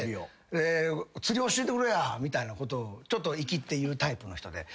釣り教えてくれやみたいなことちょっといきって言うタイプの人で。